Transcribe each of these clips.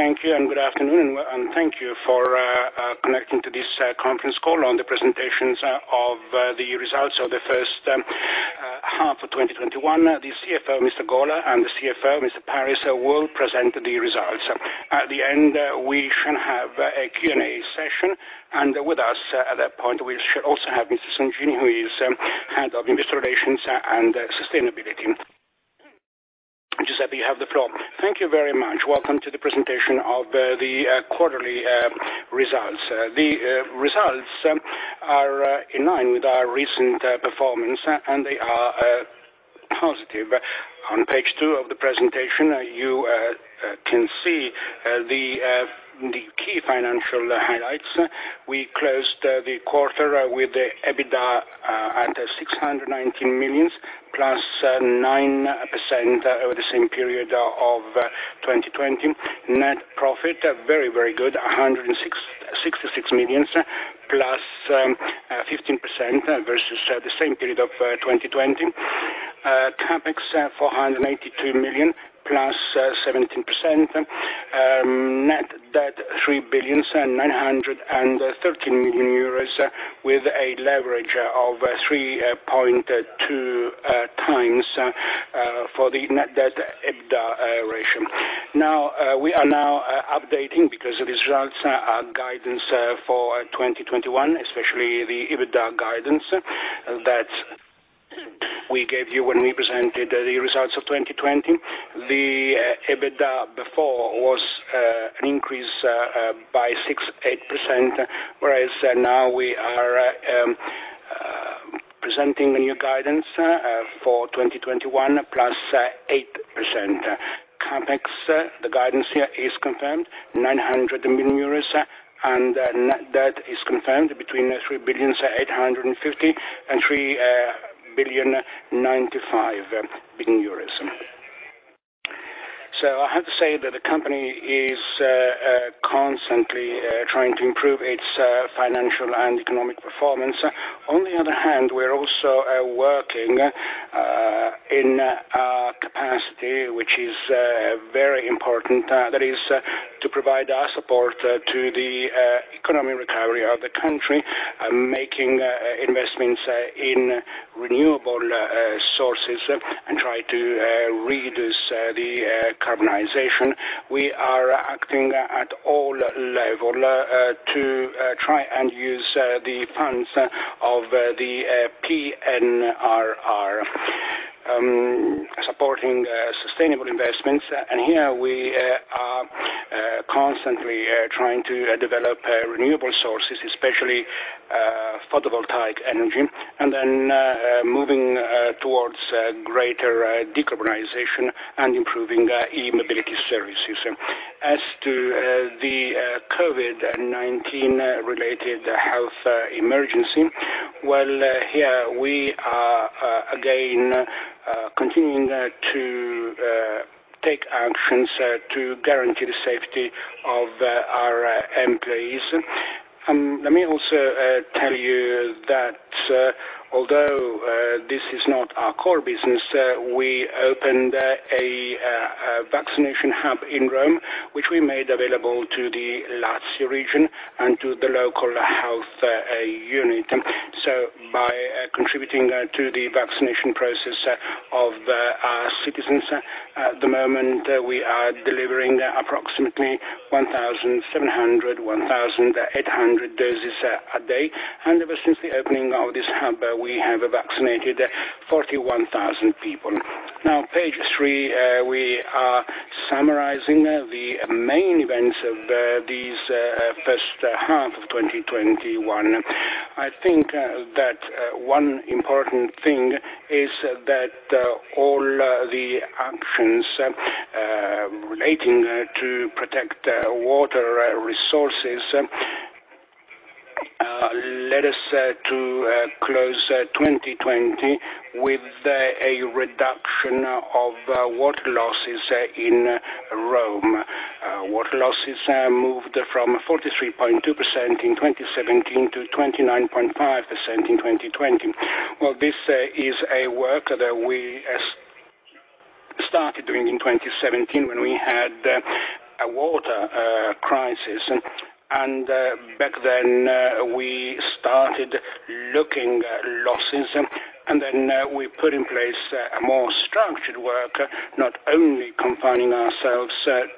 Thank you, good afternoon. Thank you for connecting to this conference call on the presentations of the results of the first half of 2021. The [CFO], Mr. Gola, and the CFO, Mr. Paris, will present the results. At the end, we shall have a Q&A session, and with us at that point, we should also have Mr. Songini, who is Head of Investor Relations and Sustainability. Giuseppe, you have the floor. Thank you very much. Welcome to the presentation of the quarterly results. The results are in line with our recent performance, they are positive. On page 2 of the presentation, you can see the key financial highlights. We closed the quarter with the EBITDA at 619 million, +9% over the same period of 2020. Net profit, very good, 166 million, +15% versus the same period of 2020. CapEx, 483 million, +17%. Net debt, 3 billion and 913 million, with a leverage of 3.2x for the net debt/EBITDA ratio. We are now updating because the results are guidance for 2021, especially the EBITDA guidance that we gave you when we presented the results of 2020. The EBITDA before was an increase by 6%, whereas now we are presenting a new guidance for 2021, +8%. CapEx, the guidance here is confirmed, 900 million euros, and net debt is confirmed between 3 billion 850 million and 3 billion 95 million. I have to say that the company is constantly trying to improve its financial and economic performance. On the other hand, we're also working in our capacity, which is very important, that is to provide our support to the economic recovery of the country, making investments in renewable sources and try to reduce decarbonization. We are acting at all levels to try and use the funds of the PNRR, supporting sustainable investments. Here we are constantly trying to develop renewable sources, especially photovoltaic energy, then moving towards greater decarbonization and improving e-mobility services. As to the COVID-19 related health emergency, well, here we are again continuing to take actions to guarantee the safety of our employees. Let me also tell you that although this is not our core business, we opened a vaccination hub in Rome, which we made available to the Lazio region and to the local health unit. By contributing to the vaccination process of our citizens, at the moment, we are delivering approximately 1,700, 1,800 doses a day. Ever since the opening of this hub, we have vaccinated 41,000 people. Page 3, we are summarizing the main events of this first half of 2021. I think that one important thing is that all the actions relating to protect water resources led us to close 2020 with a reduction of water losses in Rome. Water losses moved from 43.2% in 2017 to 29.5% in 2020. Well, this is a work that we started doing in 2017 when we had a water crisis. Back then, we started looking at losses, then we put in place a more structured work, not only confining ourselves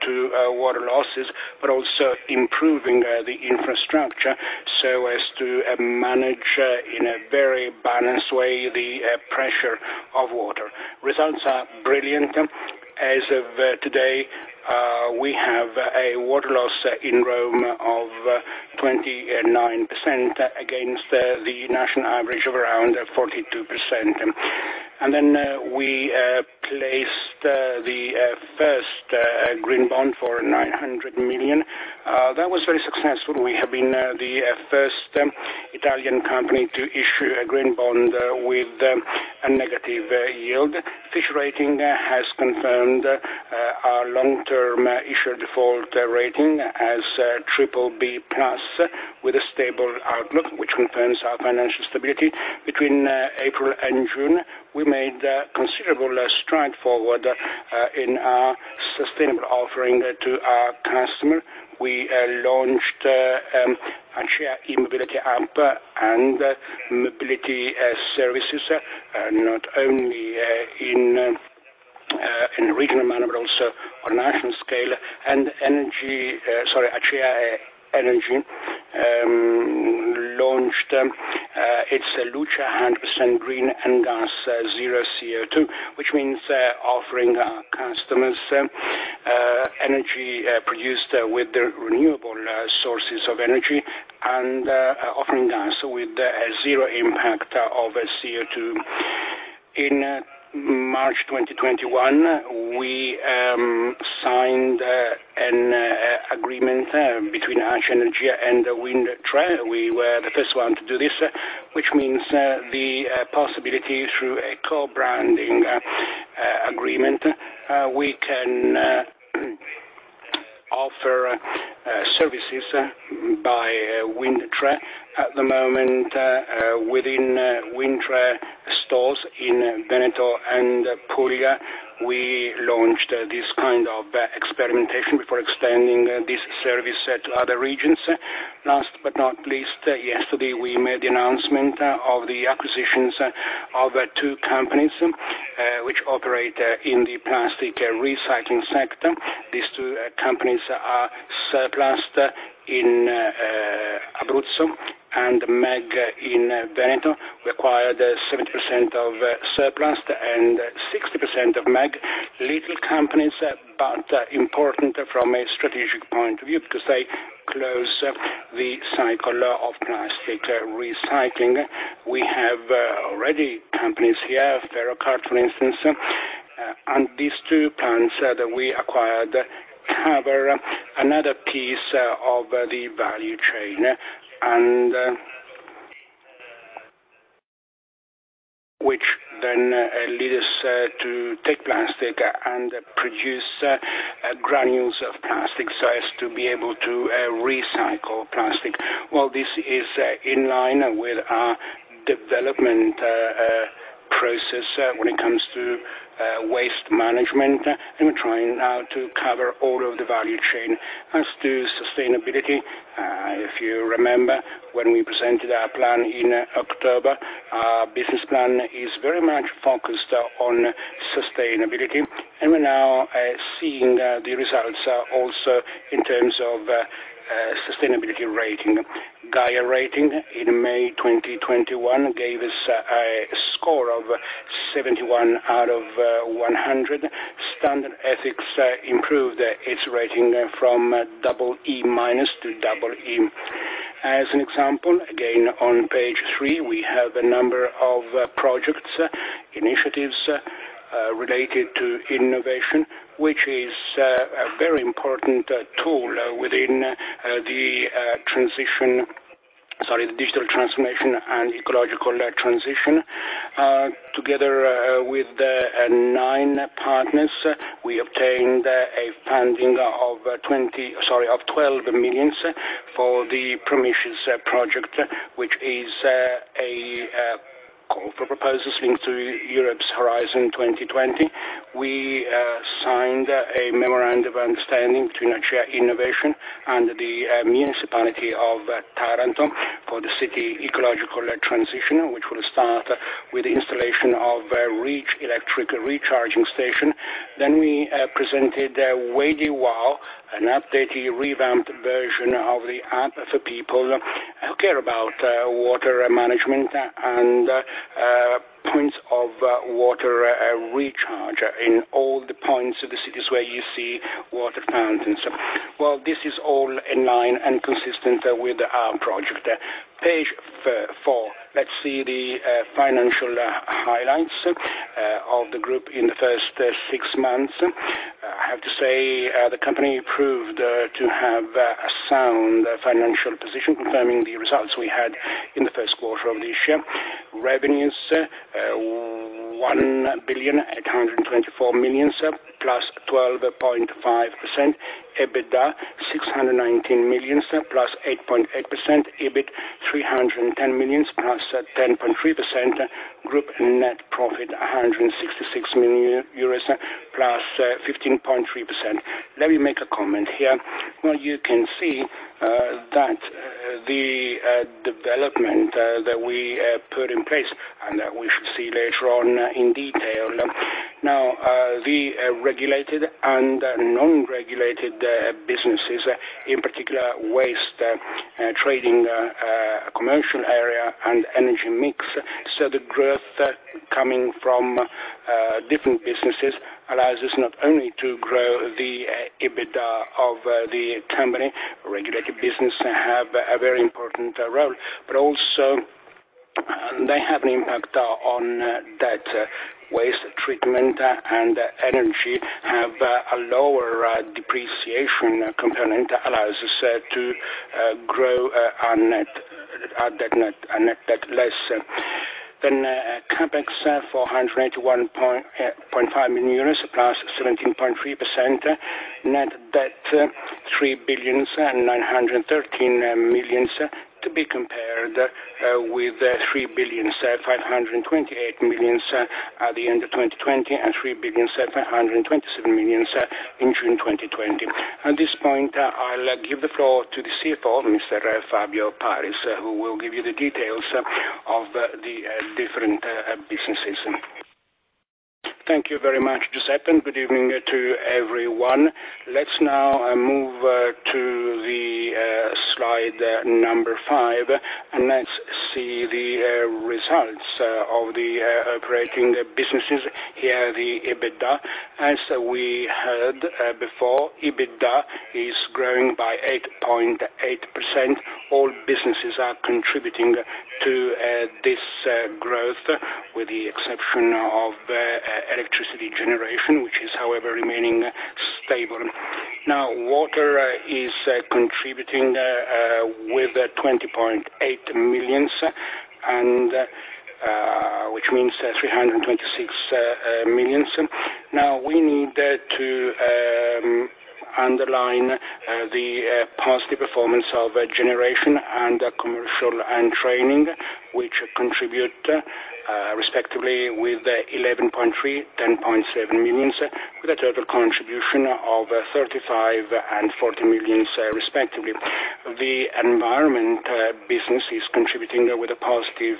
to water losses, but also improving the infrastructure so as to manage, in a very balanced way, the pressure of water. Results are brilliant. As of today, we have a water loss in Rome of 29% against the national average of around 42%. Then we placed the first green bond for 900 million. That was very successful. We have been the first Italian company to issue a green bond with a negative yield. Fitch Ratings has confirmed our long-term issuer default rating as BBB+ with a stable outlook, which confirms our financial stability. Between April and June, we made considerable stride forward in our sustainable offering to our customer. We launched Acea e-mobility app and mobility services, not only in a regional manner, but also on a national scale. Acea Energia launched its Luce 100% Green and Gas 0% CO2, which means offering our customers energy produced with the renewable sources of energy and offering gas with 0% impact of CO2. In March 2021, we signed an agreement between Acea Energia and WINDTRE. We were the first one to do this, which means the possibility through a co-branding agreement, we can offer services by WINDTRE. At the moment, within WINDTRE stores in Veneto and Puglia, we launched this kind of experimentation before extending this service to other regions. Last but not least, yesterday, we made the announcement of the acquisitions of two companies which operate in the plastic recycling sector. These two companies are Serplast in Abruzzo and MEG in Veneto. We acquired 70% of Serplast and 60% of MEG. Little companies, but important from a strategic point of view, because they close the cycle of plastic recycling. We have already companies here, Ferrocart, for instance, and these two plants that we acquired cover another piece of the value chain, which then lead us to take plastic and produce granules of plastic so as to be able to recycle plastic. Well, this is in line with our development process when it comes to waste management, and we're trying now to cover all of the value chain. As to sustainability, if you remember, when we presented our plan in October, our business plan is very much focused on sustainability, and we're now seeing the results also in terms of sustainability rating. Gaia Rating, in May 2021, gave us a score of 71% out of 100%. Standard Ethics improved its rating from EE- to EE. As an example, again, on page three, we have a number of projects, initiatives related to innovation, which is a very important tool within the digital transformation and ecological transition. Together with nine partners, we obtained a funding of 12 million for the PROMISCES project, which is a call for proposals linked to Europe's Horizon 2020. We signed a memorandum of understanding between ACEA Innovation and the Municipality of Taranto for the city ecological transition, which will start with the installation of a Rich electric recharging station. We presented Waidy WOW, an updated, revamped version of the app for people who care about water management and points of water recharge in all the points of the cities where you see water fountains. Well, this is all in line and consistent with our project. Page 4. Let's see the financial highlights of the group in the first six months. I have to say, the company proved to have a sound financial position, confirming the results we had in the first quarter of this year. Revenues, 1,824 million, +12.5%. EBITDA, 619 million, +8.8%. EBIT, 310 million, +10.3%. Group net profit, 166 million euros, +15.3%. Let me make a comment here. You can see that the development that we put in place, and that we shall see later on in detail. The regulated and non-regulated businesses, in particular, waste trading commercial area and energy mix. The growth coming from different businesses allows us not only to grow the EBITDA of the company, regulated business have a very important role, but also they have an impact on debt. Waste treatment and energy have a lower depreciation component, allows us to grow our net debt less. CapEx for EUR 181.5 million, plus 17.3%. Net debt, 3,913 million, to be compared with 3,528 million at the end of 2020, and 3,527 million in June 2020. At this point, I'll give the floor to the CFO, Mr. Fabio Paris, who will give you the details of the different businesses. Thank you very much, Giuseppe, and good evening to everyone. Let's now move to the Slide 5, let's see the results of the operating businesses. Here, the EBITDA; as we heard before, EBITDA is growing by 8.8%. All businesses are contributing to this growth, with the exception of electricity generation, which is, however, remaining stable. Water is contributing with 20.8 million, which means 326 million. We need to underline the positive performance of generation and commercial and training, which contribute respectively with 11.3 million, 10.7 million, with a total contribution of 35 million and 40 million respectively. The environment business is contributing with a positive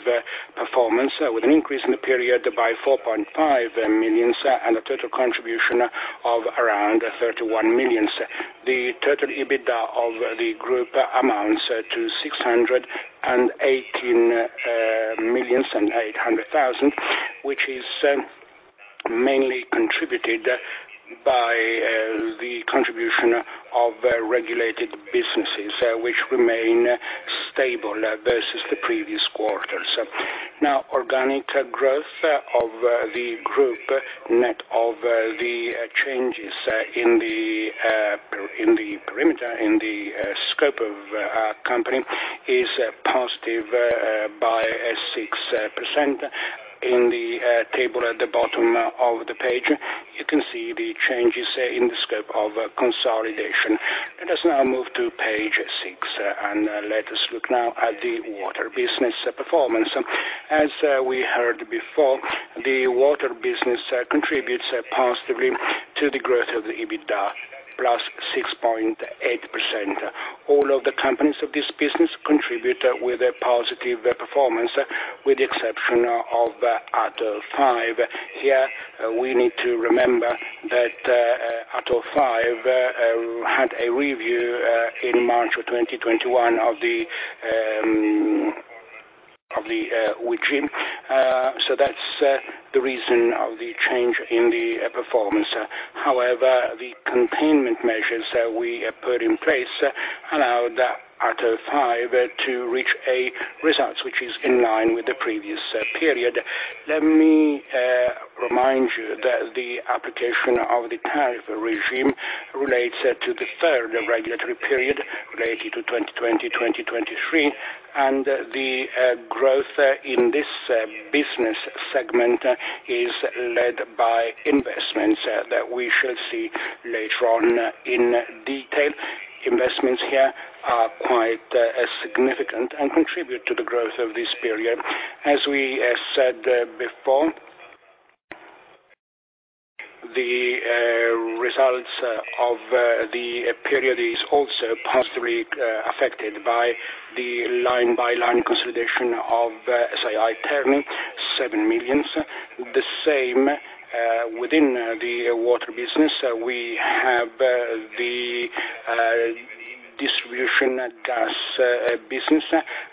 performance, with an increase in the period by 4.5 million and a total contribution of around 31 million. The total EBITDA of the group amounts to 618.8 million, which is mainly contributed by the contribution of regulated businesses, which remain stable versus the previous quarters. Organic growth of the group, net of the changes in the perimeter, in the scope of our company, is positive by 6%. In the table at the bottom of the page, you can see the changes in the scope of consolidation. Let us now move to page 6, let us look now at the water business performance. As we heard before, the water business contributes positively to the growth of the EBITDA, +6.8%. All of the companies of this business contribute with a positive performance, with the exception of ATO 5. Here, we need to remember that ATO 5 had a review in March 2021 of the regime. That's the reason of the change in the performance. However, the containment measures that we put in place allowed ATO 5 to reach a result which is in line with the previous period. Let me remind you that the application of the tariff regime relates to the third regulatory period related to 2020, 2023. The growth in this business segment is led by investments that we shall see later on in detail. Investments here are quite significant and contribute to the growth of this period. As we said before, the results of the period is also positively affected by the line-by-line consolidation of SAI 8, 7 million. The same within the water business, we have the distribution gas business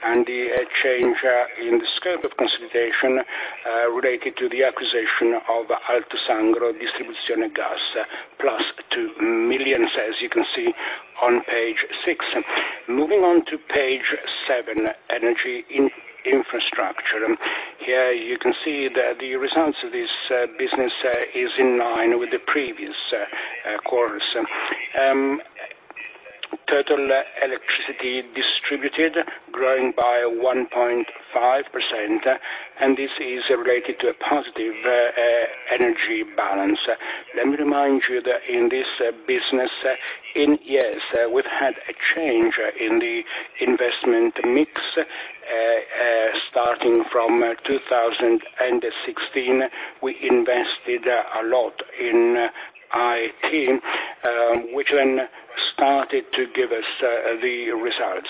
and the change in the scope of consolidation related to the acquisition of Alto Sangro Distribuzione Gas, plus 2 million, as you can see on page 6. Moving on to page 7, energy infrastructure. Here you can see the results of this business is in line with the previous quarters. Total electricity distributed growing by 1.5%. This is related to a positive energy balance. Let me remind you that in this business, in years, we've had a change in the investment mix. Starting from 2016, we invested a lot in IT, which then started to give us the results.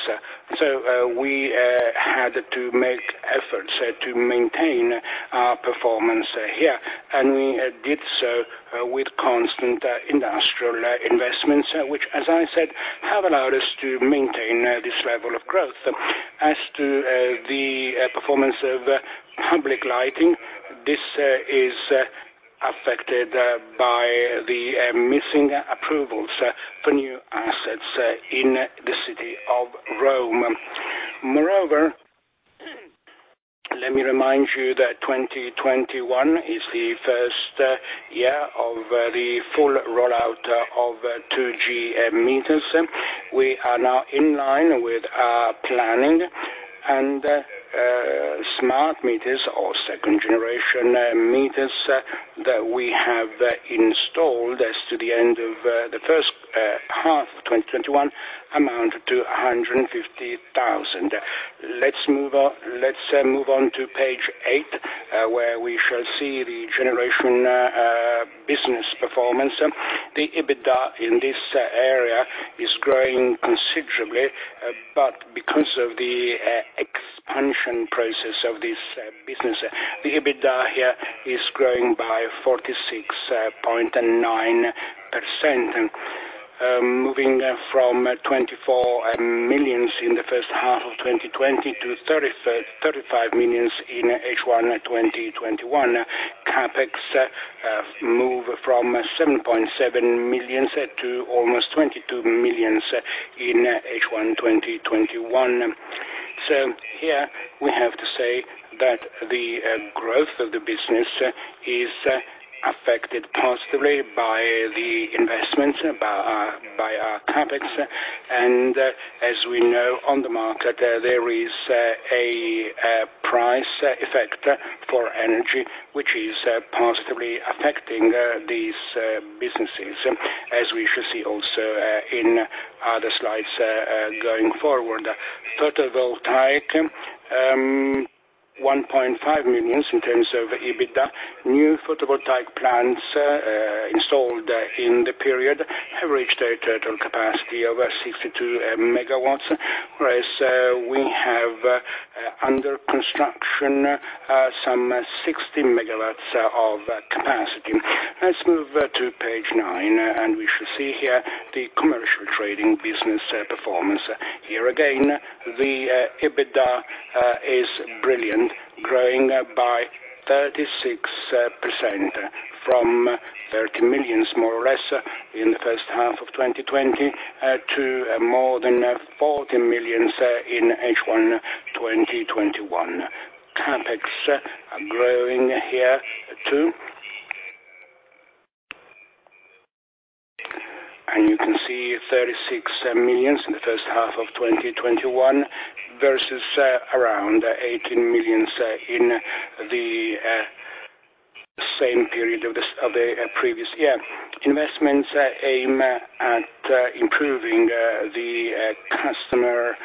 We had to make efforts to maintain our performance here, and we did so with constant industrial investments, which, as I said, have allowed us to maintain this level of growth. As to the performance of public lighting, this is affected by the missing approvals for new assets in the city of Rome. Moreover, let me remind you that 2021 is the first year of the full rollout of 2G meters. We are now in line with our plan. smart meters or second-generation meters that we have installed as to the end of the first half of 2021 amount to 150,000. Let's move on to page 8, where we shall see the generation business performance. The EBITDA in this area is growing considerably, but because of the expansion process of this business, the EBITDA here is growing by 46.9%, moving from 24 million in the first half of 2020 to 35 million in H1 2021. CapEx move from 7.7 million to almost 22 million in H1 2021. Here, we have to say that the growth of the business is affected positively by the investments, by our CapEx. As we know, on the market, there is a price effect for energy, which is positively affecting these businesses, as we shall see also in other slides going forward. Photovoltaic, 1.5 million in terms of EBITDA. New photovoltaic plants installed in the period have reached a total capacity of 62 MW, whereas we have under construction some 60 MW of capacity. Let's move to page 9. We should see here the commercial trading business performance. Here again, the EBITDA is brilliant, growing by 36% from 30 million, more or less, in the first half of 2020 to more than 40 million in H1 2021. CapEx are growing here, too. You can see 36 million in the first half of 2021 versus around 18 million in the same period of the previous year. Investments aim at improving the customer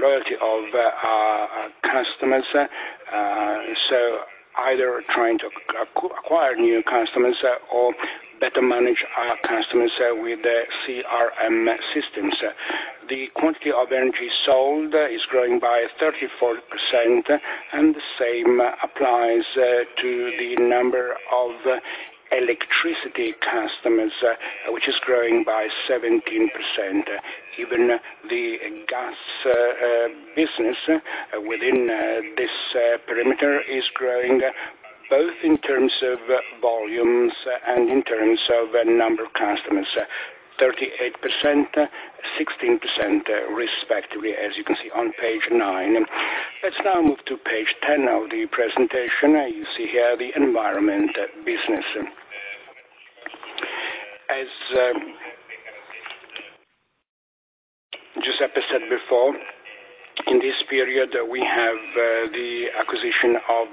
loyalty of our customers. Either trying to acquire new customers or better manage our customers with CRM systems. The quantity of energy sold is growing by 34%, and the same applies to the number of electricity customers, which is growing by 17%. Even the gas business within this perimeter is growing, both in terms of volumes and in terms of number of customers, 38%, 16%, respectively, as you can see on page 9. Let's now move to page 10 of the presentation. You see here the environment business. As Giuseppe said before, in this period, we have the acquisition of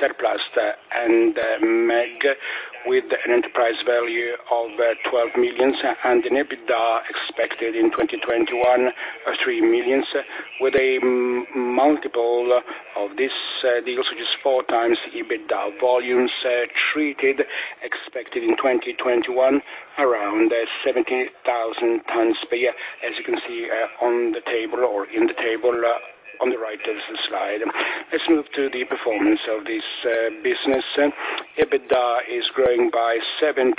Serplast and MEG with an enterprise value of 12 million and an EBITDA expected in 2021 of 3 million, with a multiple of this deal, which is 4x EBITDA. Volumes treated expected in 2021, around 17,000 tons per year, as you can see on the table or in the table on the right of the slide. Let's move to the performance of this business. EBITDA is growing by 17%,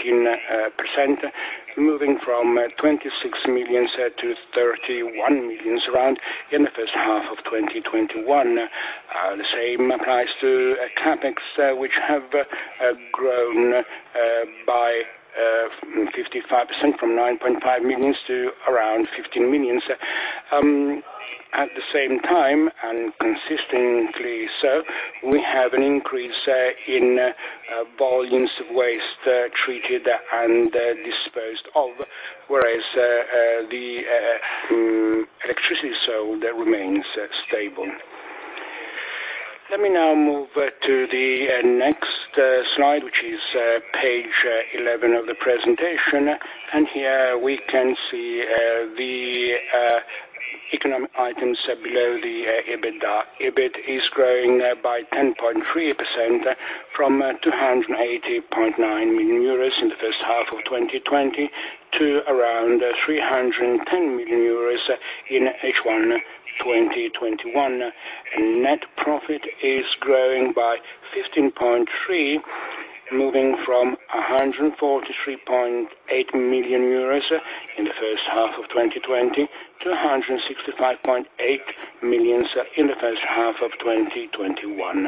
moving from 26 million-31 million, around, in the first half of 2021. The same applies to CapEx, which have grown by 55%, from 9.5 million to around 15 million. At the same time, and consistently so, we have an increase in volumes of waste treated and disposed of, whereas the electricity sold remains stable. Let me now move to the next slide, which is page 11 of the presentation, and here we can see the economic items below the EBITDA. EBIT is growing by 10.3% from 280.9 million euros in the first half of 2020 to around 310 million euros in H1 2021. Net profit is growing by 15.3%, moving from 143.8 million euros in the first half of 2020 to 165.8 million in the first half of 2021.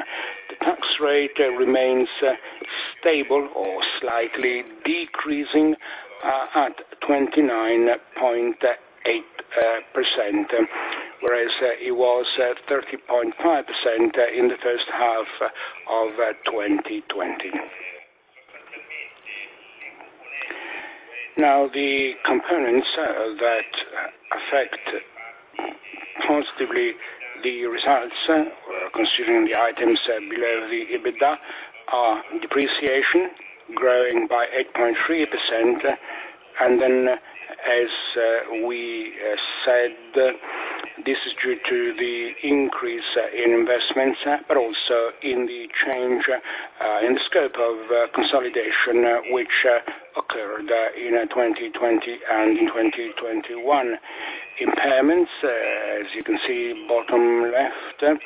The tax rate remains stable or slightly decreasing at 29.8%, whereas it was 30.5% in the first half of 2020. The components that affect positively the results, considering the items below the EBITDA, are depreciation growing by 8.3%. As we said, this is due to the increase in investments, but also in the change in the scope of consolidation which occurred in 2020 and 2021. Impairments, as you can see, bottom left,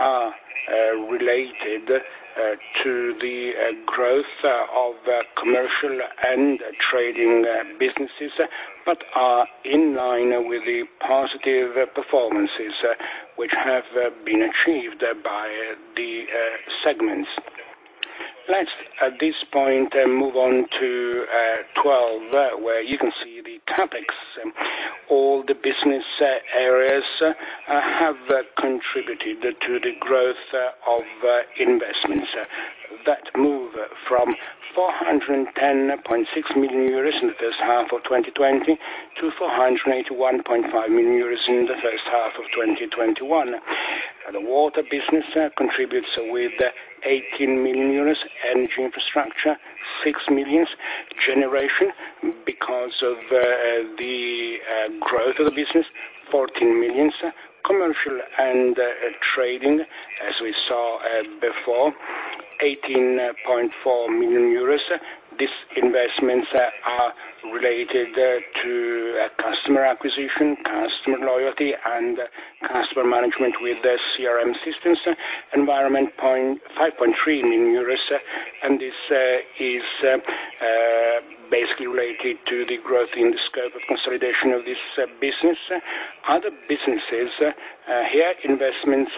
are related to the growth of commercial and trading businesses, but are in line with the positive performances which have been achieved by the segments. Let's, at this point, move on to 12, where you can see the CapEx. All the business areas have contributed to the growth of investments that move from 410.6 million euros in the first half of 2020 to 481.5 million euros in the first half of 2021. The water business contributes with 18 million euros, energy infrastructure, 6 million, generation, because of the growth of the business, 14 million. Commercial and trading, as we saw before, 18.4 million euros. These investments are related to customer acquisition, customer loyalty, and customer management with the CRM systems. Environment, 5.3 million, this is basically related to the growth in the scope of consolidation of this business. Other businesses, here, investments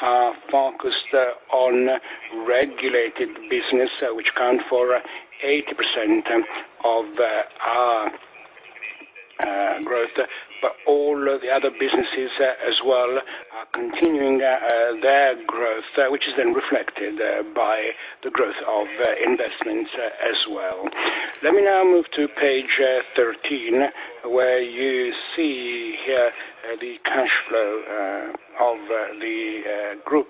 are focused on regulated business, which account for 80% of our growth. All the other businesses as well are continuing their growth, which is then reflected by the growth of investments as well. Let me now move to page 13, where you see here the cash flow of the group.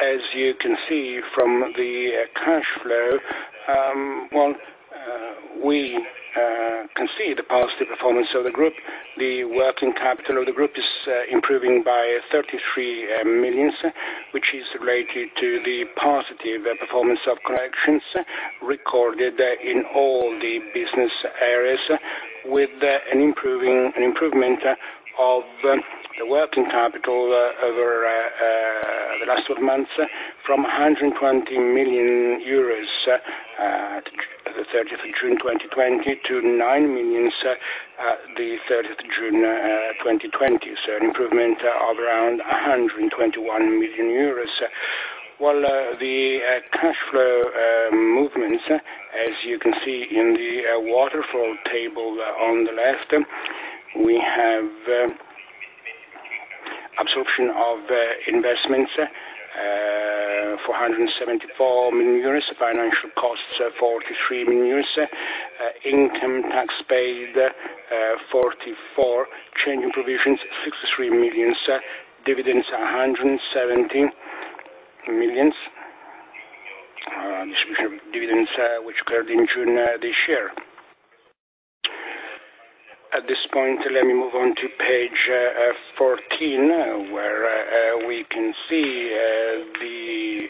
As you can see from the cash flow, we can see the positive performance of the group. The working capital of the group is improving by 33 million, which is related to the positive performance of collections recorded in all the business areas, with an improvement of the working capital over the last 12 months from 120 million euros at the 30th June, 2020 to 9 million at the 30th June, 2020. An improvement of around 121 million euros. The cash flow movements, as you can see in the waterfall table on the left, we have absorption of investments 474 million euros, financial costs 43 million euros, income tax paid 44 million, change in provisions 63 million, dividends 117 million. Distribution of dividends, which occurred in June this year. At this point, let me move on to page 14, where we can see the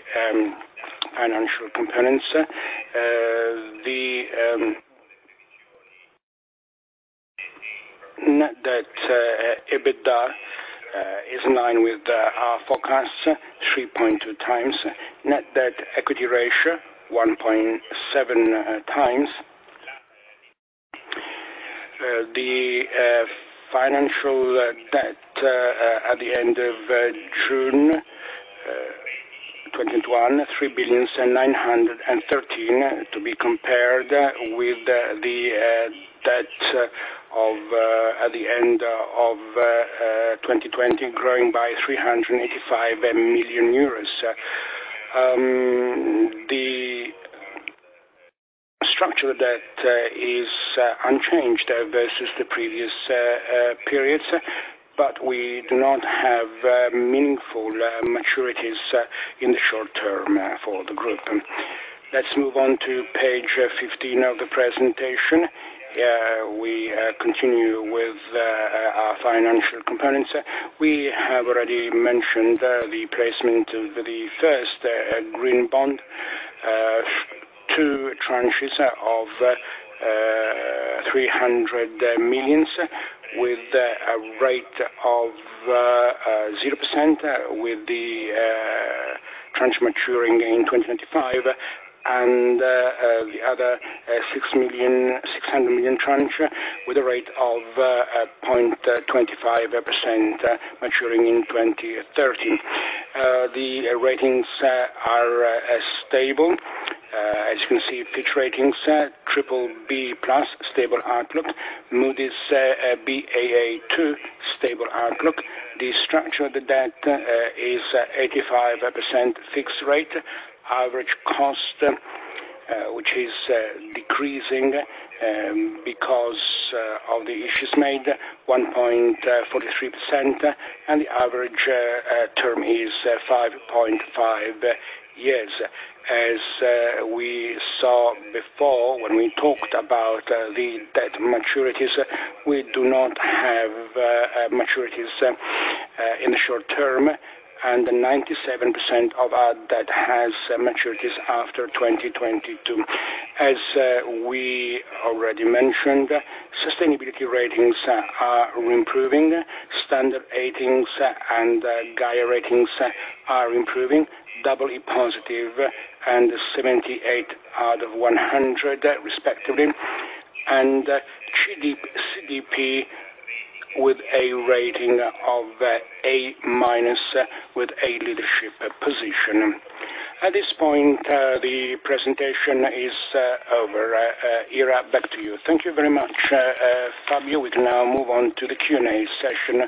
financial components. The net debt/EBITDA is in line with our forecast, 3.2x. Net Debt to Equity Ratio, 1.7x. The financial debt at the end of June 2021, 3,913 million, to be compared with the debt at the end of 2020, growing by 385 million euros. The structure debt is unchanged versus the previous periods. We do not have meaningful maturities in the short term for the group. Let's move on to page 15 of the presentation, we continue with our financial components. We have already mentioned the placement of the first green bond, two tranches of 300 million, with a rate of 0%, with the tranche maturing in 2025, and the other 600 million tranche with a rate of 0.25% maturing in 2030. The ratings are stable; as you can see, Fitch Ratings BBB+, stable outlook, Moody's Baa2, stable outlook. The structure of the debt is 85% fixed rate, average cost, which is decreasing because of the issues made, 1.43%. The average term is 5.5 years. As we saw before, when we talked about the debt maturities, we do not have maturities in the short term, and 97% of our debt has maturities after 2022. As we already mentioned, sustainability ratings are improving. Standard ratings and Gaia Rating are improving. EE+, 78% out of 100% respectively, and CDP with a rating of A- with a leadership position. At this point, the presentation is over. Ira, back to you. Thank you very much, Fabio. We can now move on to the Q&A session.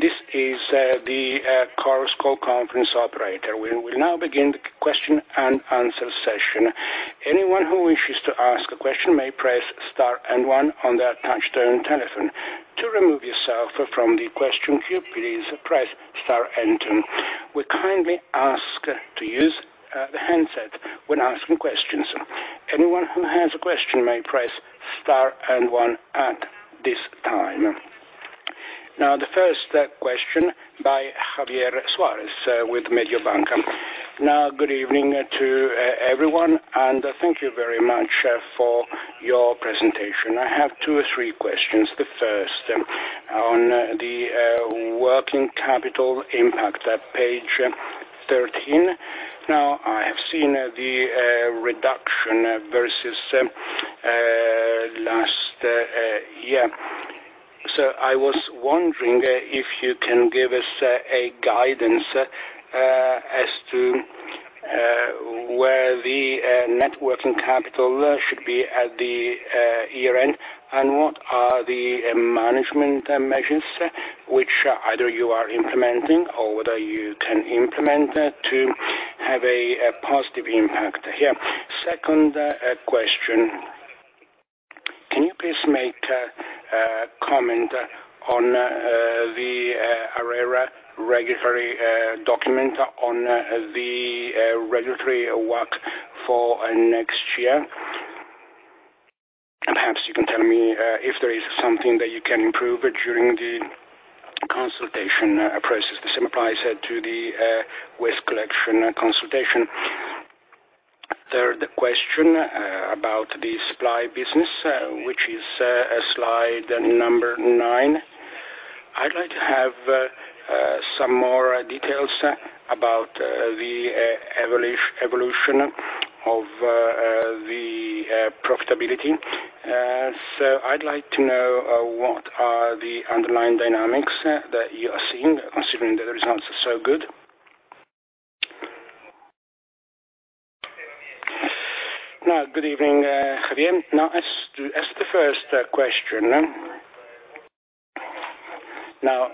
This is the Chorus Call conference operator. We will now begin the question and answer session. Anyone who wishes to ask a question may press star and one on their touchtone telephone. To remove yourself from the question queue, please press star and two. We kindly ask to use the handset when asking questions. Anyone who has a question may press star and one at this time. The first question by Javier Suarez with Mediobanca. Good evening to everyone, thank you very much for your presentation. I have two or three questions. The first, on the working capital impact at page 13, I have seen the reduction versus last year. I was wondering if you can give us a guidance as to where the net working capital should be at the year-end. What are the management measures which either you are implementing or whether you can implement to have a positive impact here? Second question, can you please make a comment on the ARERA regulatory document on the regulatory WACC for next year? Perhaps you can tell me if there is something that you can improve during the consultation process. The same applies to the waste collection consultation. Third question, about the supply business, which is Slide 9. I'd like to have some more details about the evolution of the profitability. I'd like to know, What are the underlying dynamics that you are seeing, considering the results are so good? Now, good evening, Javier. Now, as to the first question. Now,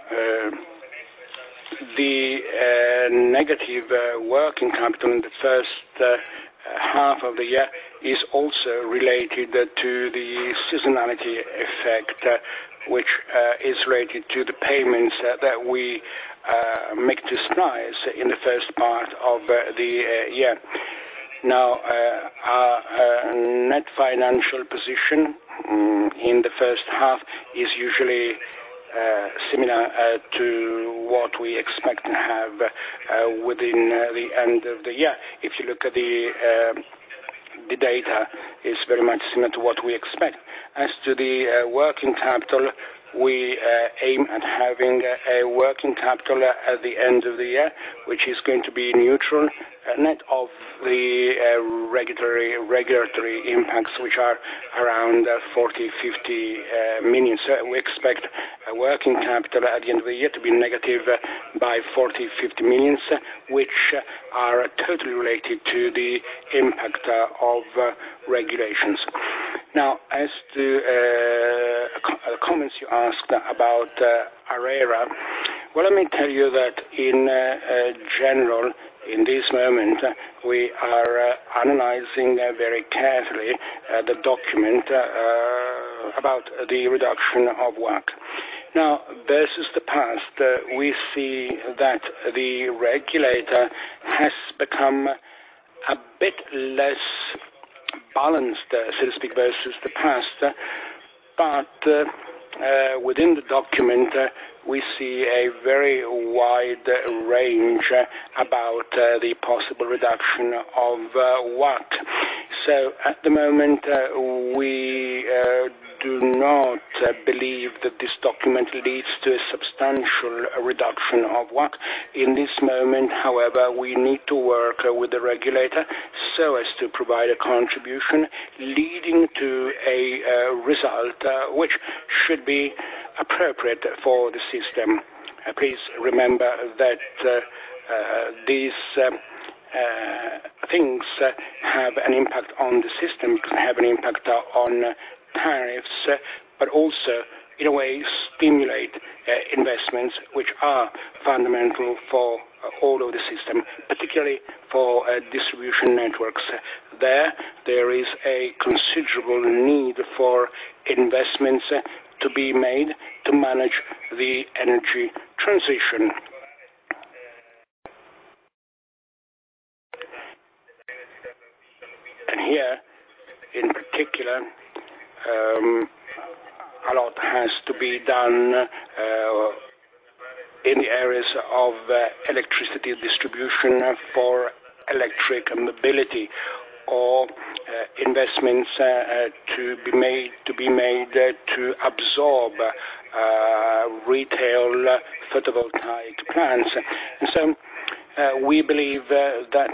the negative working capital in the first half of the year is also related to the seasonality effect, which is related to the payments that we make to suppliers in the first part of the year. Now, our net financial position in the first half is usually similar to what we expect to have within the end of the year. If you look at the data, it's very much similar to what we expect. As to the working capital, we aim at having a working capital at the end of the year, which is going to be neutral, net of the regulatory impacts, which are around 40 million-50 million. We expect working capital at the end of the year to be negative by 40 million-50 million, which are totally related to the impact of regulations. As to comments you asked about ARERA, well, let me tell you that in general, in this moment, we are analyzing very carefully the document about the reduction of WACC. Versus the past, we see that the regulator has become a bit less balanced, so to speak, versus the past. Within the document, we see a very wide range about the possible reduction of WACC. At the moment, we do not believe that this document leads to a substantial reduction of WACC. In this moment, however, we need to work with the regulator so as to provide a contribution leading to a result which should be appropriate for the system. Please remember that these things have an impact on the system. Can have an impact on tariffs, but also, in a way, stimulate investments, which are fundamental for all of the system, particularly for distribution networks. There is a considerable need for investments to be made to manage the energy transition. Here, in particular, a lot has to be done in the areas of electricity distribution for electric mobility, or investments to be made to absorb retail photovoltaic plants. We believe that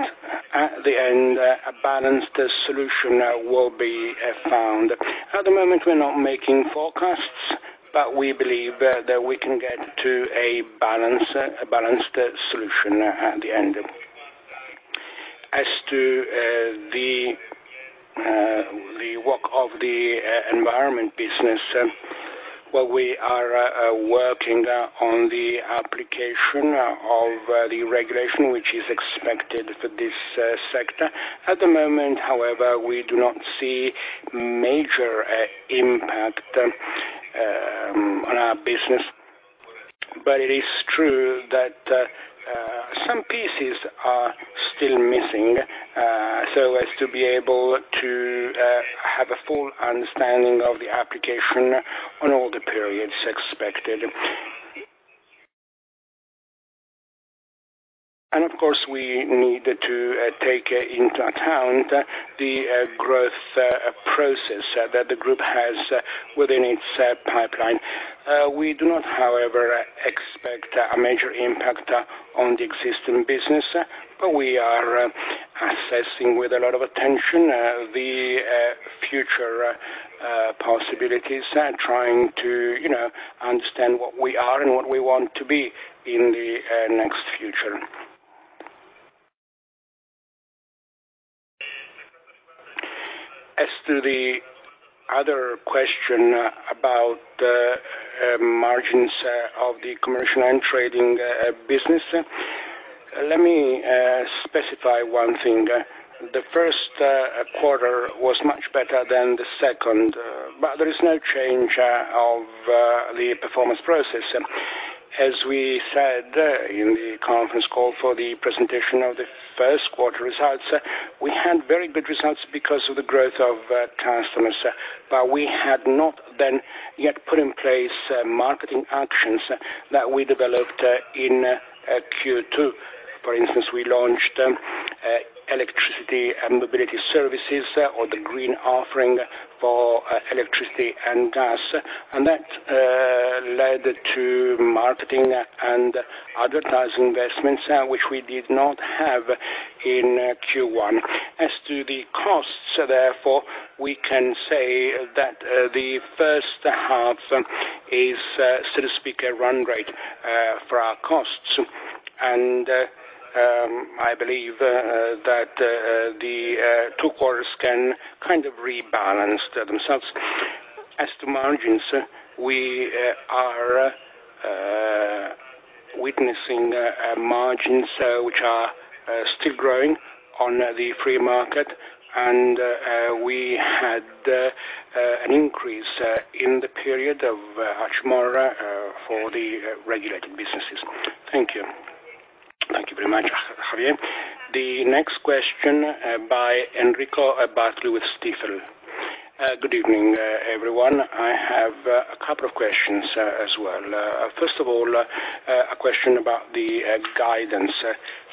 at the end, a balanced solution will be found. At the moment, we're not making forecasts, but we believe that we can get to a balanced solution at the end. As to the work of the environment business, while we are working on the application of the regulation, which is expected for this sector. At the moment, however, we do not see major impact on our business. It is true that some pieces are still missing, so as to be able to have a full understanding of the application on all the periods expected. Of course, we need to take into account the growth process that the group has within its pipeline. We do not, however, expect a major impact on the existing business, but we are assessing with a lot of attention the future possibilities and trying to understand what we are and what we want to be in the next future. As to the other question about margins of the commercial and trading business, let me specify one thing. The first quarter was much better than the second, but there is no change of the performance process. As we said in the conference call for the presentation of the first quarter results, we had very good results because of the growth of customers, but we had not then yet put in place marketing actions that we developed in Q2. For instance, we launched electricity and e-mobility services or the green offering for electricity and gas, and that led to marketing and advertising investments, which we did not have in Q1. As to the costs, therefore, we can say that the first half is, so to speak, a run rate for our costs. I believe that the two quarters can kind of rebalance themselves. As to margins, we are witnessing margins which are still growing on the free market. We had an increase in the period of much more for the regulated businesses. Thank you. Thank you very much, Javier. The next question by Enrico Bartoli with Stifel. Good evening, everyone. I have a couple of questions as well. First of all, a question about the guidance.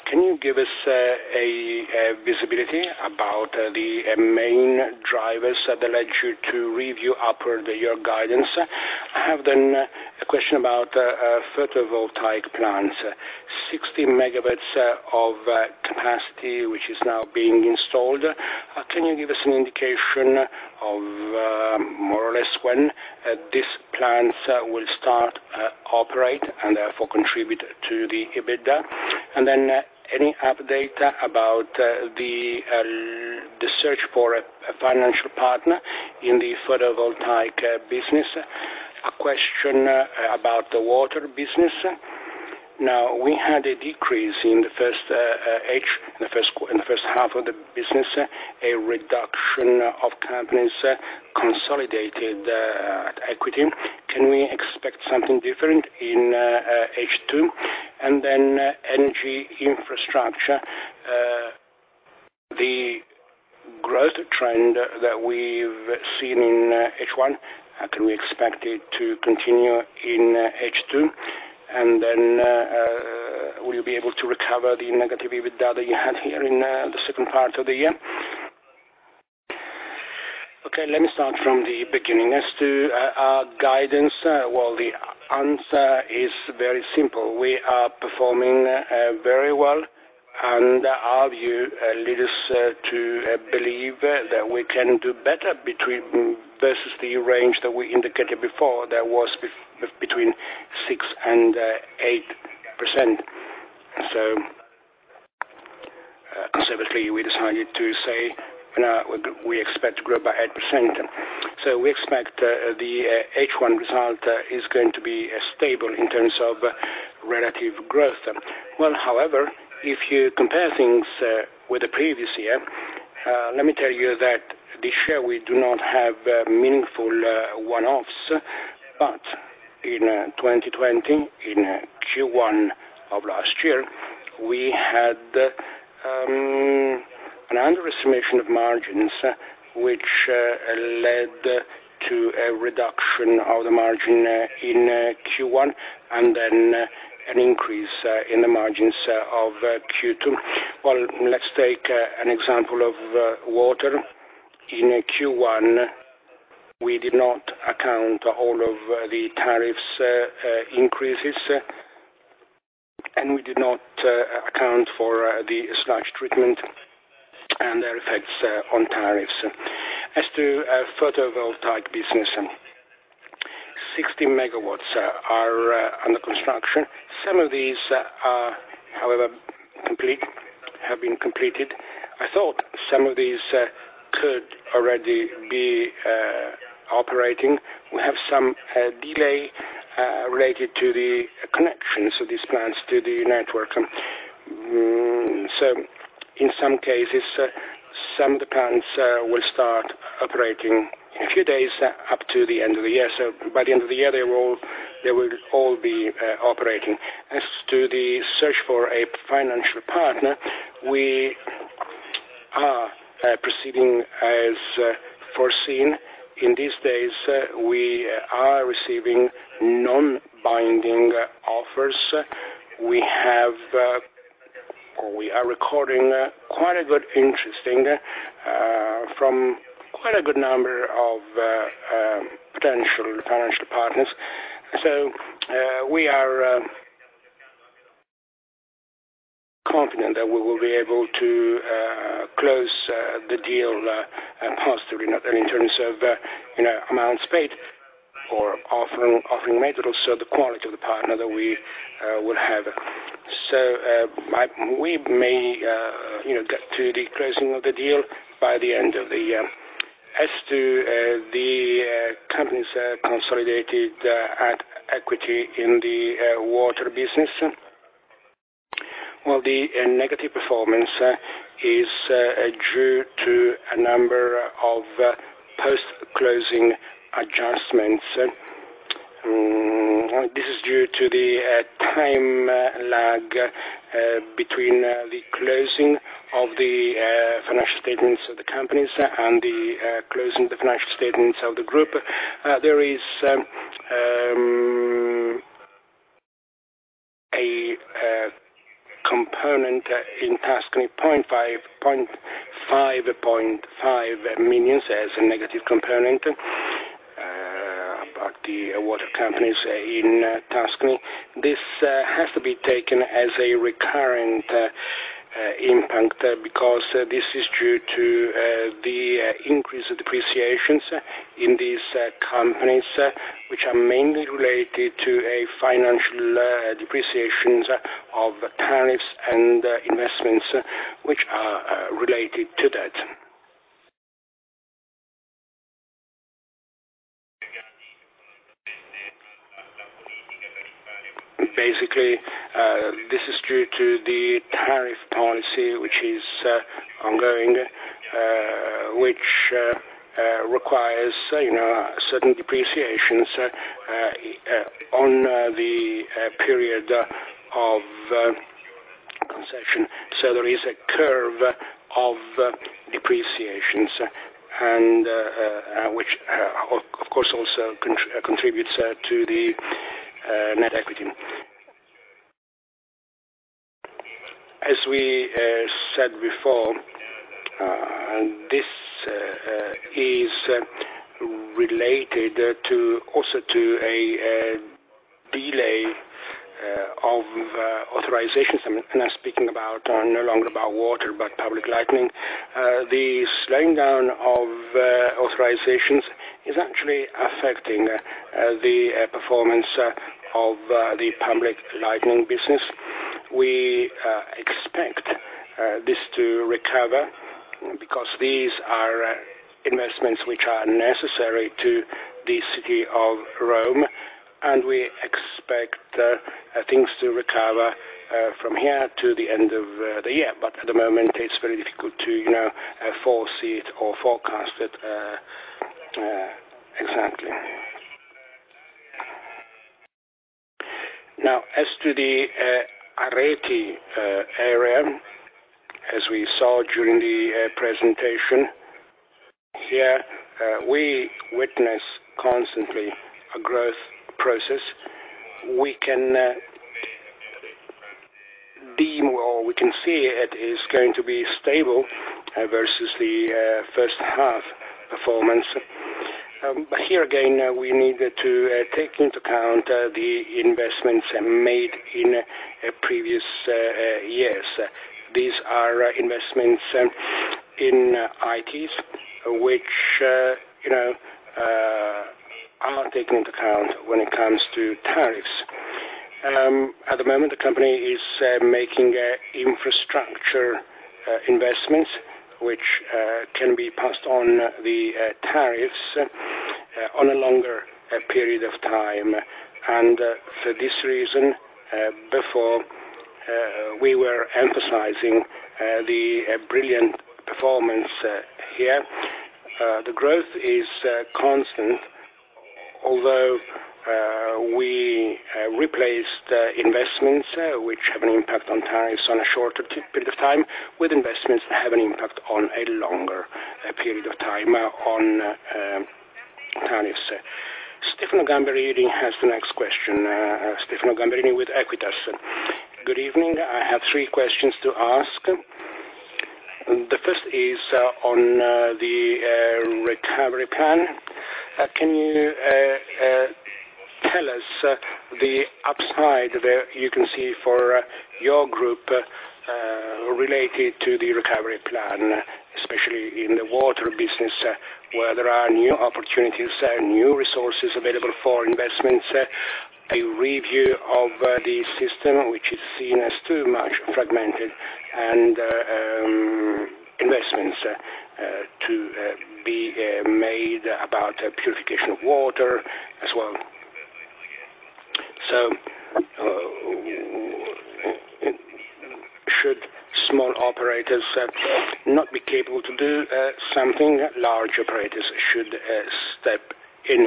Can you give us a visibility about the main drivers that led you to review upward your guidance? I have a question about photovoltaic plants, 60 MW of capacity, which is now being installed. Can you give us an indication of more or less when these plants will start operate and therefore contribute to the EBITDA? Any update about the search for a financial partner in the photovoltaic business? A question about the water business. We had a decrease in the first half of the business, a reduction of company's consolidated equity. Can we expect something different in H2? Energy infrastructure, the growth trend that we've seen in H1, can we expect it to continue in H2? Will you be able to recover the negative EBITDA that you had here in the second part of the year? Let me start from the beginning. As to our guidance, well, the answer is very simple. We are performing very well, and our view leads us to believe that we can do better versus the range that we indicated before, that was between 6% and 8%. Consequently, we decided to say, we expect to grow by 8%. We expect the H1 result is going to be stable in terms of relative growth. Well, if you compare things with the previous year, let me tell you that this year we do not have meaningful one-offs. In 2020, in Q1 of last year, we had an underestimation of margins, which led to a reduction of the margin in Q1, and then an increase in the margins of Q2. Well, let's take an example of water. In Q1, we did not account all of the tariffs increases, and we did not account for the sludge treatment and their effects on tariffs. As to photovoltaic business, 60 MW are under construction. Some of these, however, have been completed. I thought some of these could already be operating. We have some delay related to the connections of these plants to the network. In some cases, some of the plants will start operating a few days up to the end of the year. By the end of the year, they will all be operating. As to the search for a financial partner, we are proceeding as foreseen. In these days, we are receiving non-binding offers. We are recording quite a good interest from quite a good number of potential financial partners. We are confident that we will be able to close the deal positively, not only in terms of amounts paid or offering made, but also the quality of the partner that we would have. We may get to the closing of the deal by the end of the year. As to the company's consolidated at equity in the water business, well, the negative performance is due to a number of post-closing adjustments. This is due to the time lag between the closing of the financial statements of the companies and the closing of the financial statements of the group. There is a component in Tuscany, 5.5 million as a negative component. The water companies in Tuscany. This has to be taken as a recurrent impact, because this is due to the increase of depreciations in these companies, which are mainly related to financial depreciations of tariffs and investments which are related to that. Basically, this is due to the tariff policy, which is ongoing, which requires certain depreciations on the period of concession. There is a curve of depreciations, and which, of course, also contributes to the net equity. As we said before, this is related also to a delay of authorizations. I'm speaking no longer about water, but public lighting. The slowing down of authorizations is actually affecting the performance of the public lighting business. We expect this to recover, because these are investments which are necessary to the city of Rome, and we expect things to recover from here to the end of the year. At the moment, it's very difficult to foresee it or forecast it exactly. As to the Areti area, as we saw during the presentation, here we witness constantly a growth process. We can deem or we can see it is going to be stable versus the first half performance. Here again, we need to take into account the investments made in previous years. These are investments in IT which are taken into account when it comes to tariffs. At the moment, the company is making infrastructure investments, which can be passed on the tariffs on a longer period of time. For this reason, before, we were emphasizing the brilliant performance here. The growth is constant, although we replaced investments which have an impact on tariffs on a shorter period of time, with investments that have an impact on a longer period of time on tariffs. Stefano Gamberini has the next question. Stefano Gamberini with Equitasim. Good evening. I have three questions to ask. The first is on the recovery plan; can you tell us the upside that you can see for your group, related to the recovery plan? Especially in the water business, where there are new opportunities and new resources available for investments, a review of the system which is seen as too much fragmented and investments to be made about purification of water as well. Should small operators not be capable to do something, large operators should step in?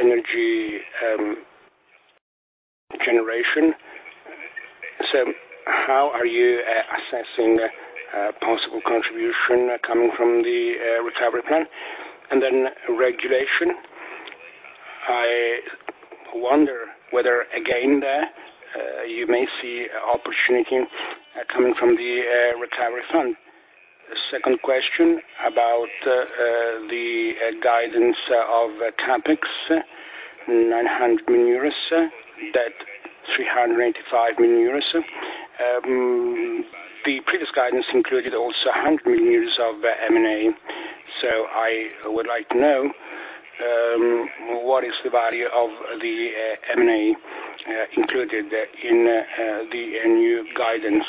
Energy generation; how are you assessing possible contribution coming from the recovery plan? Regulation, I wonder whether, again, there, you may see opportunity coming from the recovery fund. Second question about the guidance of CapEx, 900 million euros, debt 385 million euros. The previous guidance included also 100 million euros of M&A. I would like to know, what is the value of the M&A included in the new guidance?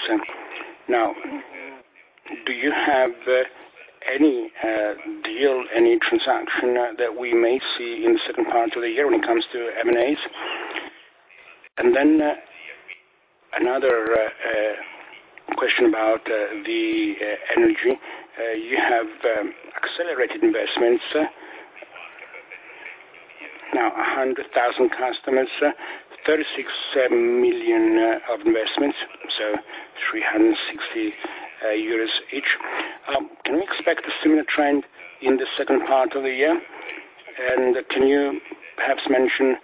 Do you have any deal, any transaction that we may see in the second part of the year when it comes to M&As? Another question about the energy. You have accelerated investments. 100,000 customers, 36 million of investments, 360 euros each. Can we expect a similar trend in the second part of the year? Can you perhaps mention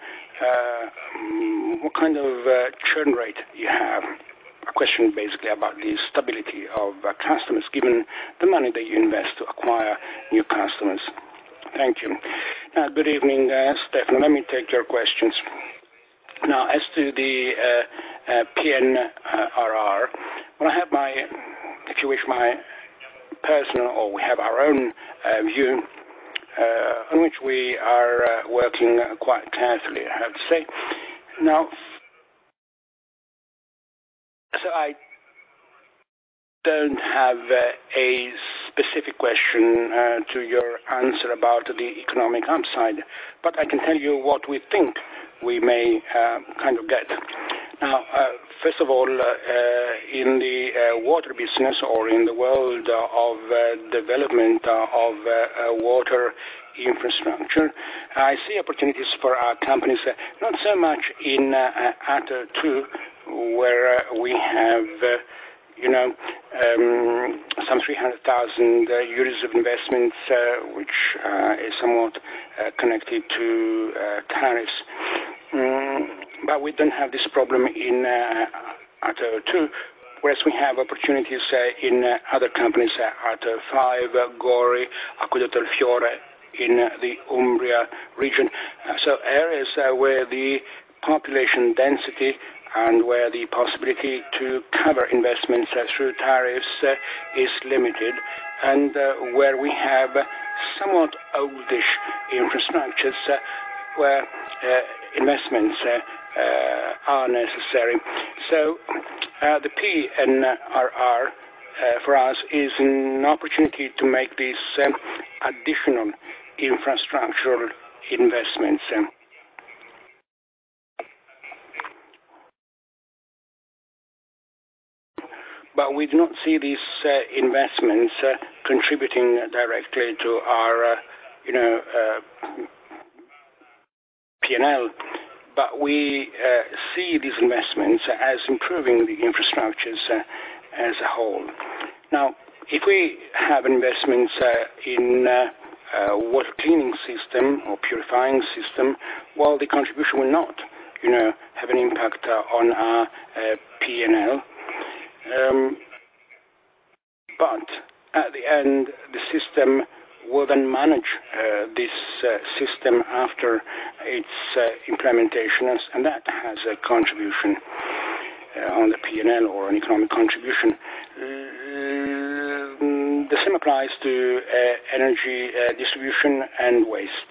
what kind of churn rate you have? A question basically about the stability of customers, given the money that you invest to acquire new customers. Thank you. Good evening, Stefano. Let me take your questions. As to the PNRR, well, I have my, if you wish, my personal or we have our own view, on which we are working quite carefully, I have to say. I don't have a specific question to your answer about the economic upside, but I can tell you what we think we may kind of get. First of all, in the water business or in the world of development of water infrastructure, I see opportunities for our companies, not so much in ATO 2, where we have some 300,000 euros of investments, which is somewhat connected to tariffs. We don't have this problem in ATO 2, whereas we have opportunities in other companies, ATO 5, GORI, Acquedotto del Fiora in the Umbria region. Areas where the population density and where the possibility to cover investments through tariffs is limited, and where we have somewhat oldish infrastructures, where investments are necessary. The PNRR for us is an opportunity to make these additional infrastructural investments. We do not see these investments contributing directly to our P&L, but we see these investments as improving the infrastructures as a whole. If we have investments in water cleaning system or purifying system, well, the contribution will not have an impact on our P&L. At the end, the system will then manage this system after its implementation, and that has a contribution on the P&L or an economic contribution. The same applies to energy distribution and waste.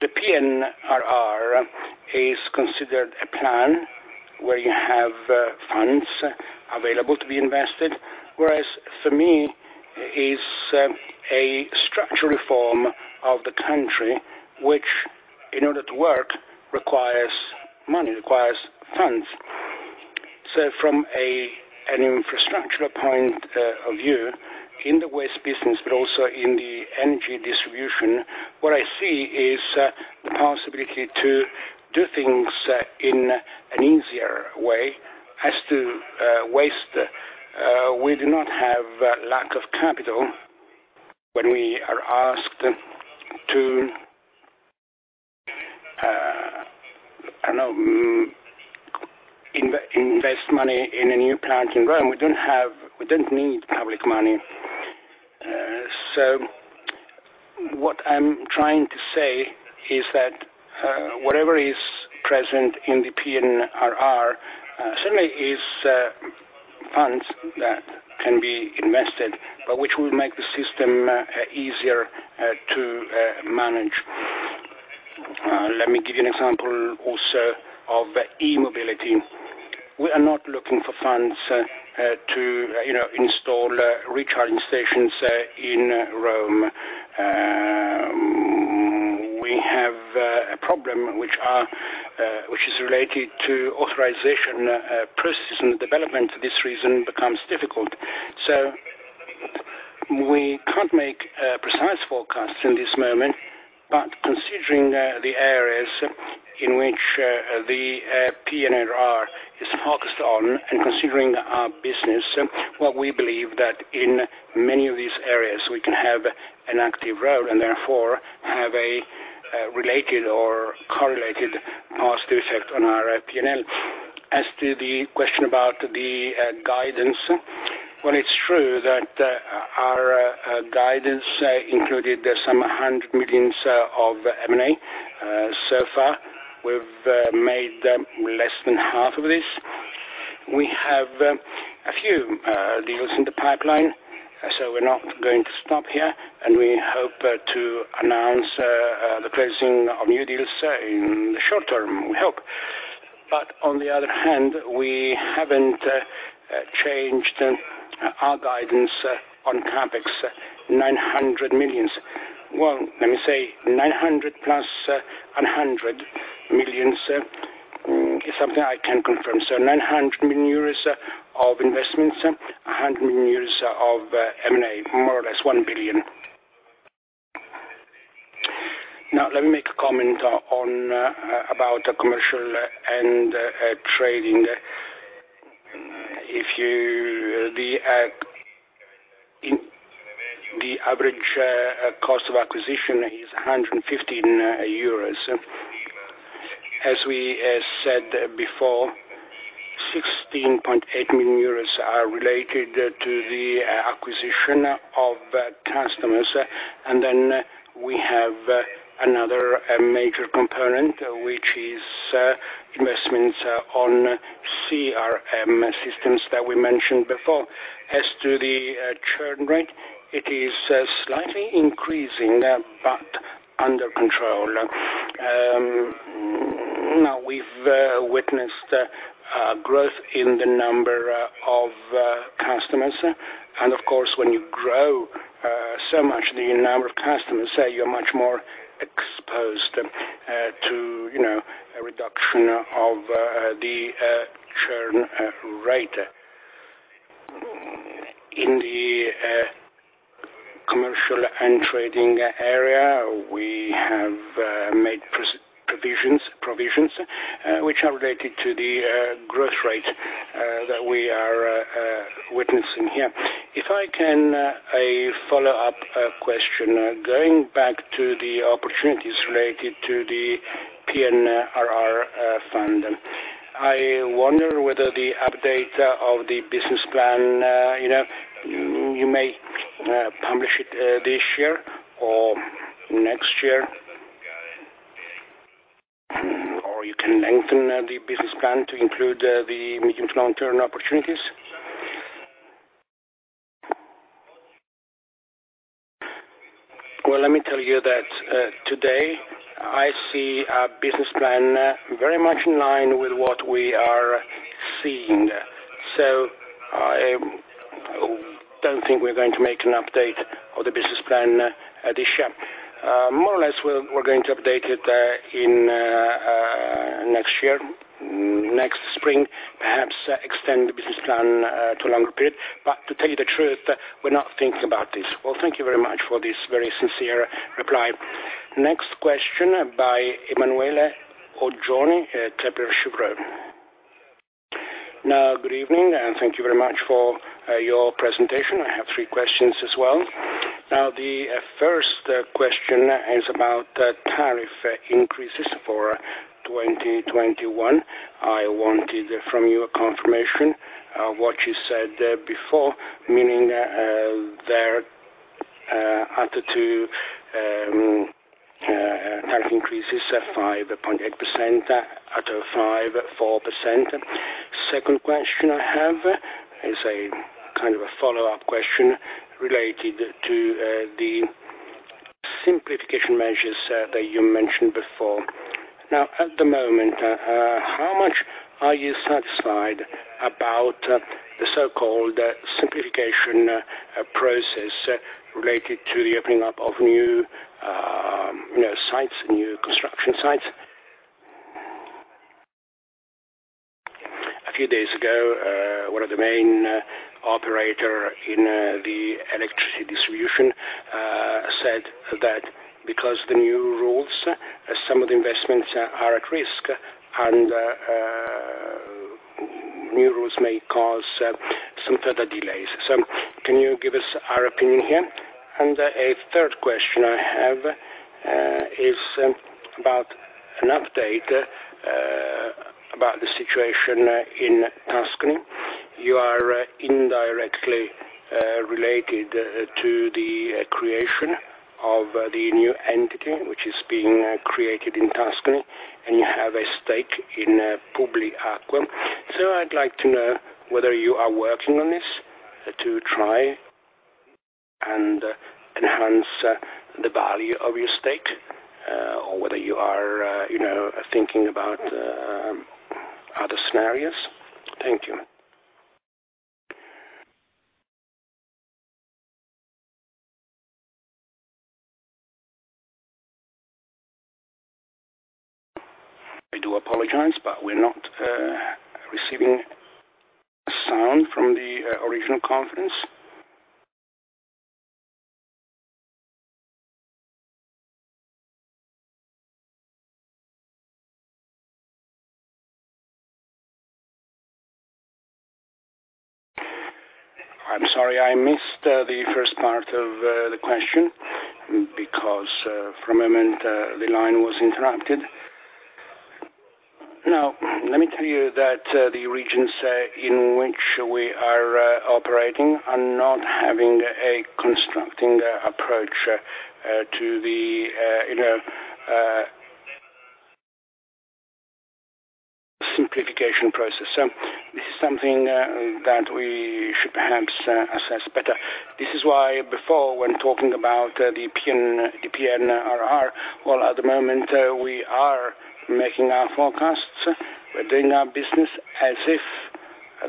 The PNRR is considered a plan where you have funds available to be invested, whereas for me, it's a structural reform of the country, which, in order to work, requires money, requires funds. From an infrastructure point of view, in the waste business, but also in the energy distribution, what I see is the possibility to do things in an easier way. As to waste, we do not have lack of capital when we are asked to invest money in a new plant in Rome. We don't need public money. What I'm trying to say is that whatever is present in the PNRR, certainly is funds that can be invested, but which will make the system easier to manage. Let me give you an example also of e-mobility. We are not looking for funds to install recharging stations in Rome. We have a problem which is related to authorization processes. The development for this reason becomes difficult. We can't make precise forecasts in this moment, considering the areas in which the PNRR is focused on and considering our business, what we believe that in many of these areas, we can have an active role and therefore have a related or correlated positive effect on our P&L. As to the question about the guidance, well, it's true that our guidance included some 100 million of M&A. So far, we've made less than half of this, we have a few deals in the pipeline, we're not going to stop here, we hope to announce the closing of new deals in the short term, we hope. On the other hand, we haven't changed our guidance on CapEx, 900 million. Well, let me say 900 million plus 100 million is something I can confirm. 900 million euros of investments, 100 million euros of M&A, more or less 1 billion. Let me make a comment about the commercial and trading. The average cost of acquisition is 115 euros. As we said before, 16.8 million euros are related to the acquisition of customers, and then we have another major component, which is investments on CRM systems that we mentioned before. As to the churn rate, it is slightly increasing, but under control. We've witnessed growth in the number of customers, and of course, when you grow so much the number of customers, you are much more exposed to a reduction of the churn rate. In the commercial and trading area, we have made provisions which are related to the growth rate that we are witnessing here. If I can, a follow-up question; going back to the opportunities related to the PNRR fund. I wonder whether the update of the business plan, you may publish it this year or next year, or you can lengthen the business plan to include the medium to long-term opportunities. Well, let me tell you that today, I see our business plan very much in line with what we are seeing. I don't think we're going to make an update of the business plan this year. More or less, we're going to update it next year, next spring, perhaps extend the business plan to a longer period. To tell you the truth, we're not thinking about this. Well, thank you very much for this very sincere reply. Next question by Emanuele Oggioni, Kepler Cheuvreux. Good evening, and thank you very much for your presentation. I have three questions as well. The first question is about tariff increases for 2021. I wanted from you a confirmation of what you said before, meaning ATO 2 tariff increases 5.8%, ATO 5, 4%. Second question I have is a follow-up question related to the simplification measures that you mentioned before. At the moment, how much are you satisfied about the so-called simplification process related to the opening up of new construction sites? A few days ago, one of the main operator in the electricity distribution said that because the new rules, some of the investments are at risk, and new rules may cause some further delays. Can you give us your opinion here? A third question I have is about an update about the situation in Tuscany. You are indirectly related to the creation of the new entity, which is being created in Tuscany, and you have a stake in Publiacqua. I'd like to know whether you are working on this to try and enhance the value of your stake, or whether you are thinking about other scenarios? Thank you. I do apologize, we're not receiving sound from the original conference. I'm sorry, I missed the first part of the question because for a moment, the line was interrupted. Let me tell you that the regions in which we are operating are not having a constructing approach to the simplification process. This is something that we should perhaps assess better. This is why before, when talking about the PNRR, while at the moment, we are making our forecasts, we are doing our business as if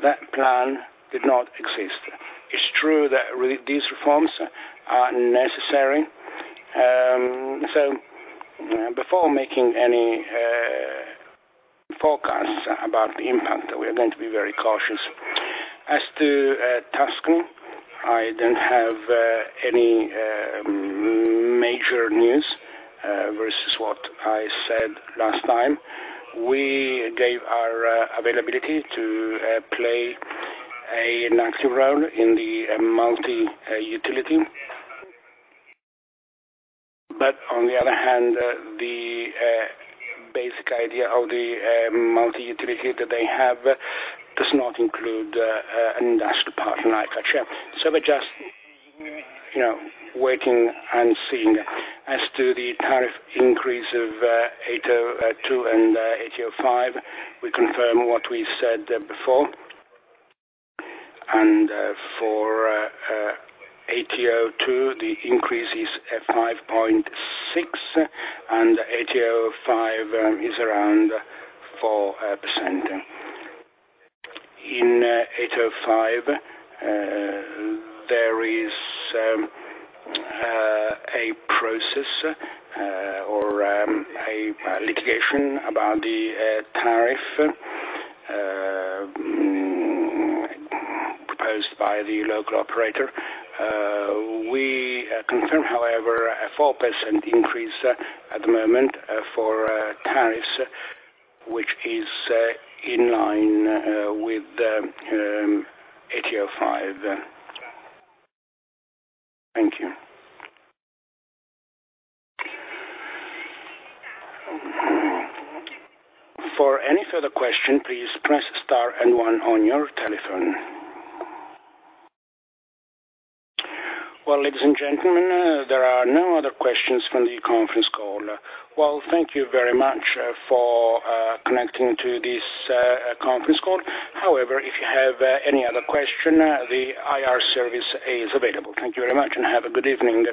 that plan did not exist. It's true that these reforms are necessary. Before making any forecasts about the impact, we are going to be very cautious. As to Tuscany, I don't have any major news versus what I said last time. We gave our availability to play an active role in the multi-utility. On the other hand, the basic idea of the multi-utility that they have does not include an industrial partner like Acea, we're just waiting and seeing. As to the tariff increase of ATO 2 and ATO 5, we confirm what we said before. For ATO 2, the increase is 5.6%, and ATO 5 is around 4%. In ATO 5, there is a process or a litigation about the tariff proposed by the local operator. We confirm, however, a 4% increase at the moment for tariffs, which is in line with ATO 5. Thank you. For any further question please press star and one on your telephone. Well, ladies and gentlemen, there are no other questions from the conference call. Well, thank you very much for connecting to this conference call. However, if you have any other question, the IR service is available. Thank you very much and have a good evening.